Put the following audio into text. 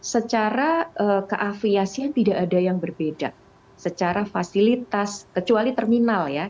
secara keaviasian tidak ada yang berbeda secara fasilitas kecuali terminal ya